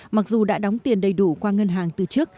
mặc dù đã đóng tiền đầy đủ qua ngân hàng từ trước